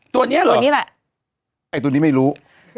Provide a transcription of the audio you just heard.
ตัวนี้เหรอไอ้ตัวนี้ไม่รู้